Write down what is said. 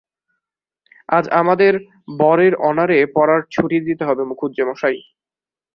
আজ আমাদের বরের অনারে পড়ার ছুটি দিতে হবে মুখুজ্যেমশায়।